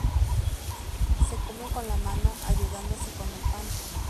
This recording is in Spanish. Se come con la mano ayudándose con el pan.